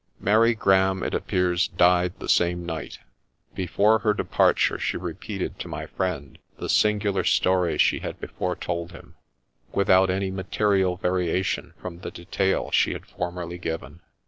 Mary Graham, it appears, died the same night. Before her departure she repeated to my friend the singular story she had before told him, without any material variation from the detail she had formerly given.